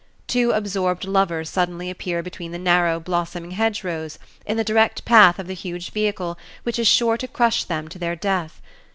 Two absorbed lovers suddenly appear between the narrow, blossoming hedgerows in the direct path of the huge vehicle which is sure to crush them to their death.